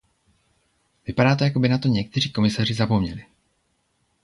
Vypadá to, jako by na to někteří komisaři zapomněli.